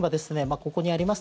ここにあります